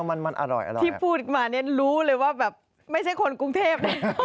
มันอร่อยที่พูดมาเนี่ยรู้เลยว่าแบบไม่ใช่คนกรุงเทพ